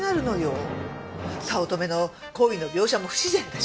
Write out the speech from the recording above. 早乙女の行為の描写も不自然だし。